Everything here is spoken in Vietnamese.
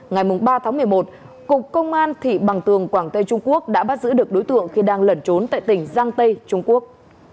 ngày ba tháng một mươi một cục công an thị bằng tường quảng tây trung quốc đã bắt giữ được đối tượng khi đang lẩn trốn tại tỉnh giang tây trung quốc